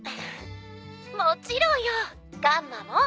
もちろんよガンマモン。